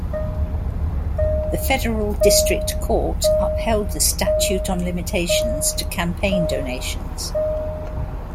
The Federal District Court upheld the statute on limitations to campaign donations.